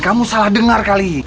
kamu salah dengar kali